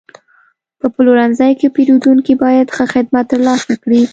په پلورنځي کې پیرودونکي باید ښه خدمت ترلاسه کړي.